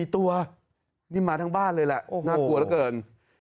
๔ตัวนี่มาทั้งบ้านเลยแหละน่ากลัวเหลือเกิน